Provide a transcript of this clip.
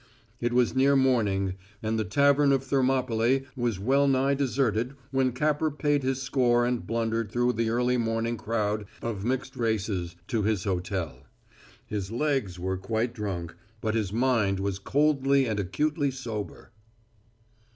It was near morning, and the Tavern of Thermopylæ was well nigh deserted when Capper paid his score and blundered through the early morning crowd of mixed races to his hotel. His legs were quite drunk, but his mind was coldly and acutely sober.